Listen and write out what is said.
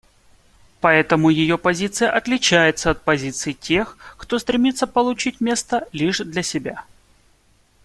Поэтому ее позиция отличается от позиции тех, кто стремится получить место лишь для себя.